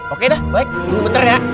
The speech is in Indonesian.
oke dah baik dulu bentar ya